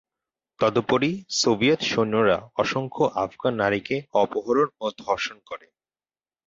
তদুপরি, সোভিয়েত সৈন্যরা অসংখ্য আফগান নারীকে অপহরণ ও ধর্ষণ করে।